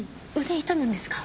腕痛むんですか？